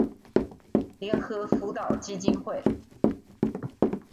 聯合輔導基金會